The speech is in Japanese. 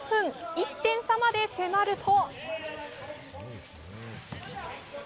１点差まで迫ると。